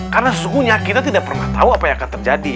karena sukunya kita tidak pernah tahu apa yang akan terjadi